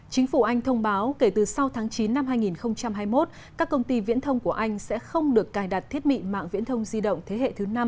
chính phủ anh thông báo kể từ sau tháng chín năm hai nghìn hai mươi một các công ty viễn thông của anh sẽ không được cài đặt thiết bị mạng viễn thông di động thế hệ thứ năm